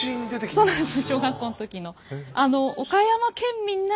そうなんです小学校の時の。